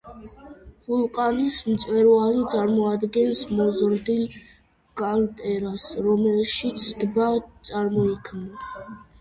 ვულკანის მწვერვალი წარმოადგენს მოზრდილ კალდერას, რომელშიც ტბა წარმოიქმნა.